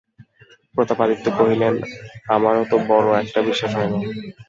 প্রতাপাদিত্য কহিলেন, আমারও তো বড়ো একটা বিশ্বাস হয় না।